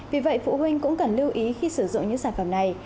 vì vậy phụ huynh cũng cần lưu ý khi sử dụng những sản phẩm này